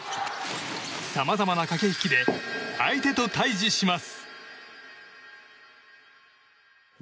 さまざまな駆け引きで相手と対峙します。